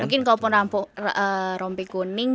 mungkin kalau rompi kuning